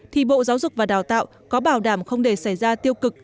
thì bộ giáo dục và đào tạo có bảo đảm không để xảy ra tiêu cực